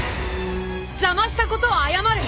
邪魔したことは謝る！